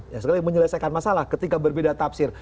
ya sekali menyelesaikan masalah ketika berbeda tafsir